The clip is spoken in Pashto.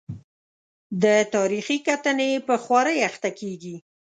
د تاریخي کتنې په خوارۍ اخته کېږي.